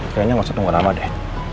kayaknya gak usah tunggu lama deh